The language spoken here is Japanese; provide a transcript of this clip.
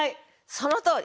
そのとおり。